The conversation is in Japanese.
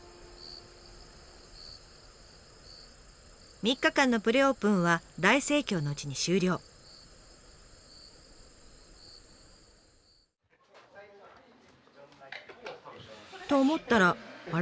３日間のプレオープンは大盛況のうちに終了。と思ったらあれ？